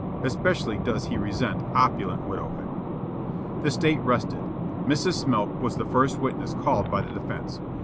Especially does he resent opulent widowhood. The State rested. Mrs. Smilk was the first witness called by the defense.